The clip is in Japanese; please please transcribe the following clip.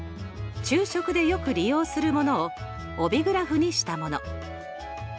昼食でよく利用するものを帯グラフにしたもの。